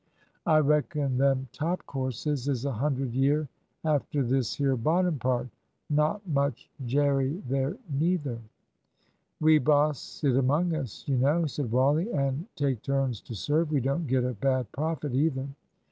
"I reckon them top courses is a hundred year after this here bottom part. Not much jerry there neither." "We boss it among us, you know," said Wally, "and take turns to serve. We don't get a bad profit either."